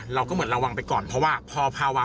เราก็เหมือนระวังไปก่อนเพราะว่าพอภาวะ